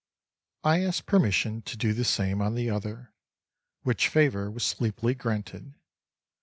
I asked permission to do the same on the other, which favor was sleepily granted.